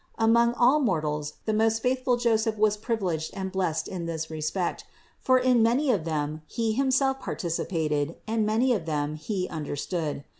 Among all mortals the most faithful Joseph was privileged and blessed in this respect, for in many of them he himself participated and many of them he understood.